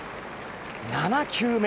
７球目。